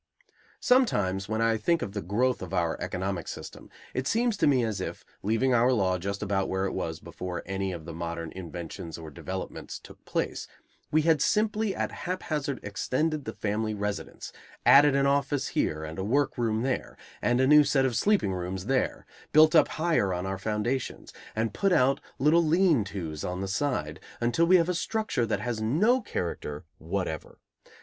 Sometimes, when I think of the growth of our economic system, it seems to me as if, leaving our law just about where it was before any of the modern inventions or developments took place, we had simply at haphazard extended the family residence, added an office here and a workroom there, and a new set of sleeping rooms there, built up higher on our foundations, and put out little lean tos on the side, until we have a structure that has no character whatever.